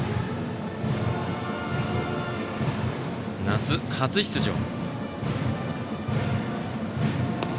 夏、初出場。